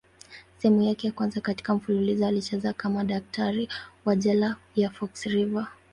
Sehemu yake ya kwanza katika mfululizo alicheza kama daktari wa jela ya Fox River.